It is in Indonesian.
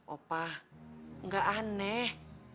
opah gak aneh